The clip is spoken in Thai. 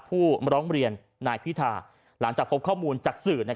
ผู้ร้องเรียนนายพิธาหลังจากพบข้อมูลจากสื่อ